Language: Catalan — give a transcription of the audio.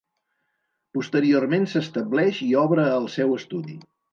Posteriorment s'estableix i obre el seu estudi.